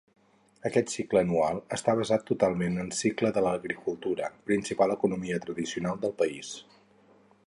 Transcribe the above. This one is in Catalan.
Aquest cicle anual està basat totalment del cicle de l'agricultura, principal economia tradicional del país.